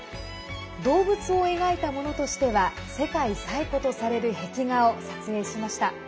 動物を描いたものとしては世界最古とされる壁画を撮影しました。